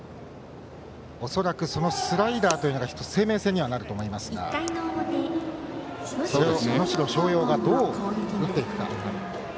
恐らく、スライダーというのが生命線になると思いますがそれを能代松陽がどう打っていくか。